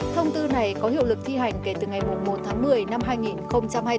thông tư này có hiệu lực thi hành kể từ ngày một một mươi hai nghìn hai mươi bốn